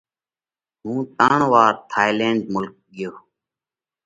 ھُون ترڻ وار ٿائِيلينڍ ملڪ ۾ ڳيوه۔